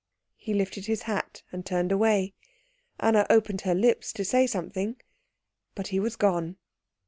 He lifted his hat and turned away. Anna opened her lips to say something, but he was gone.